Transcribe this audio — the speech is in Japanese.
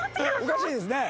おかしいですね。